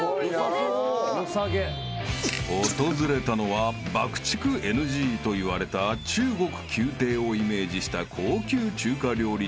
［訪れたのは爆竹ＮＧと言われた中国宮廷をイメージした高級中華料理店］